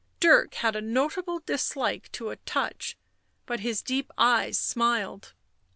Dirk had a notable dislike to a touch, but his deep eyes smiled.